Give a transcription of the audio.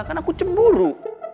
kan aku cemburu